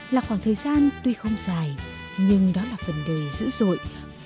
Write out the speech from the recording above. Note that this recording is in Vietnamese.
là khoảng thời gian tuy không dài nhưng đó là phần đời dữ dội